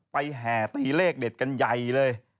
แห่ตีเลขเด็ดกันใหญ่เลย